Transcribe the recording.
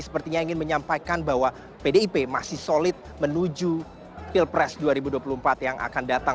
sepertinya ingin menyampaikan bahwa pdip masih solid menuju pilpres dua ribu dua puluh empat yang akan datang